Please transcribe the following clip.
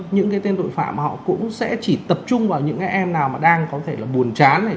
những cái tên tội phạm họ cũng sẽ chỉ tập trung vào những cái em nào mà đang có thể là buồn chán này